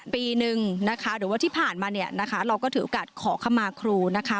ปีหนึ่งนะคะหรือว่าที่ผ่านมาเราก็ถือโอกาสขอเข้ามาครูนะคะ